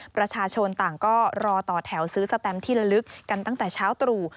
ประชาชนต่างก็รอต่อแถวซื้อสแตมที่ละลึกกันตั้งแต่เช้าตรู่